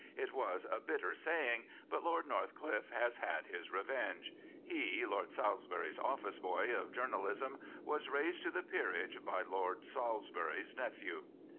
It was a bitter saying; but Lord Northcliffe has had his revenge. He, Lord Salisbury's ' office boy ' of journalism, was raised to the pegrage by Lord Salisbury's nephew.